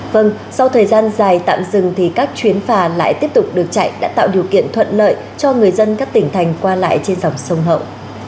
vâng sau thời gian dài tạm dừng thì các chuyến phà lại tiếp tục được chạy đã tạo điều kiện thuận lợi cho người dân các tỉnh thành qua lại trên dòng sông hậu